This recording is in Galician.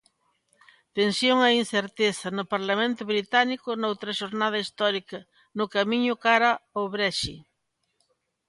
Tensión e incerteza no Parlamento británico noutra xornada histórica no camiño cara ao Brexit.